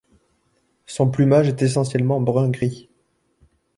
Son plumage est essentiellement brun gris.